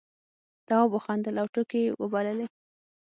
تواب وخندل او ټوکې یې وبللې.